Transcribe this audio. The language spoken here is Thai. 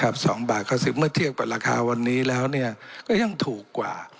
๒บาทก็คือเมื่อเทียบกับราคาวันนี้แล้วก็ยังถูกกว่า